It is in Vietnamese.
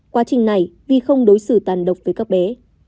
quá trình này vi không đối xử tàn độc với các bé